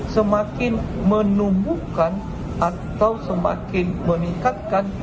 semakin menumbuhkan atau semakin meningkatkan